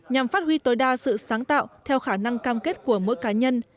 nhằm phát huy tối đa sự sáng tạo theo khả năng cam kết của mỗi cá nhân